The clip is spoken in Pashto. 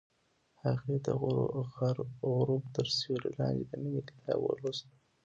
هغې د غروب تر سیوري لاندې د مینې کتاب ولوست.